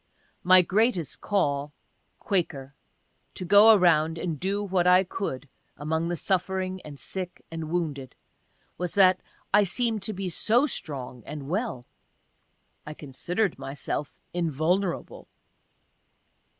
My greatest call (Quaker) to go around and do what I could among the suffering and sick and wounded was that I seem'd to be so strong and well. (I considered myself invulnerable.)